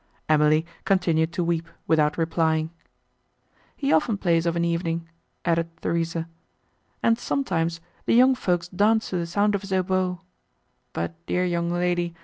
Emily continued to weep, without replying. "He often plays of an evening," added Theresa, "and, sometimes, the young folks dance to the sound of his oboe. But, dear young lady!